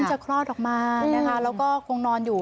จะคลอดออกมานะคะแล้วก็คงนอนอยู่